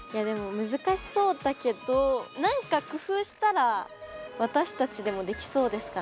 でも難しそうだけどなんか工夫したら私たちでもできそうですかね。